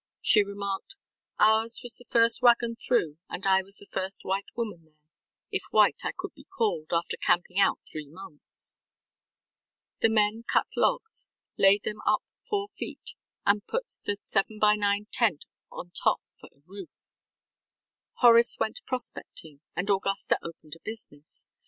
She remarked: ŌĆ£Ours was the first wagon through and I was the first white woman there, if white I could be called, after camping out three months. ŌĆØ The men cut logs, laid them up four feet and put the 7 by 9 tent on top for a roof. Horace went prospecting and Augusta opened a business.